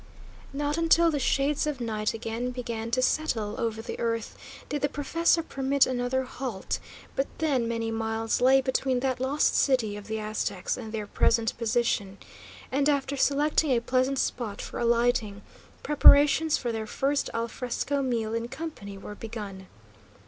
Not until the shades of night again began to settle over the earth did the professor permit another halt, but then many miles lay between that Lost City of the Aztecs and their present position, and, after selecting a pleasant spot for alighting, preparations for their first al fresco meal in company were begun.